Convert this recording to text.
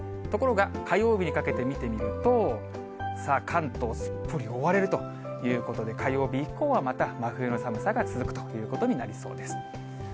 ところが、火曜日にかけて見てみると、さあ、関東、すっぽり覆われるということで、火曜日以降はまた真冬の寒さが続くということになりそうです。